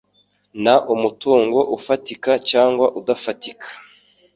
n umutungo ufatika cyangwa udafatika